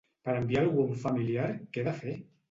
Per enviar algú a un familiar, què he de fer?